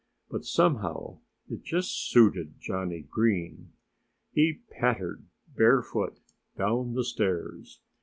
But somehow it just suited Johnnie Green. He pattered barefooted down the stairs.